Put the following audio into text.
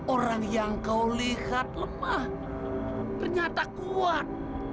orang yang kau lihat lemah ternyata kuat